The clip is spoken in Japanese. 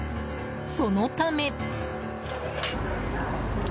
そのため。